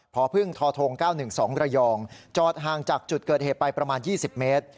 พพึ่งทท๙๑๒ระยองจอดห่างจากจุดเกิดเหตุไปประมาณ๒๐เมตร